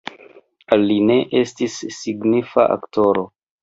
Li ne estis signifa aktoro.